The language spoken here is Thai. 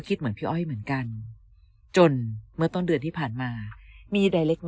เหมือนพี่อ้อยเหมือนกันจนเมื่อต้นเดือนที่ผ่านมามีใดเล็ก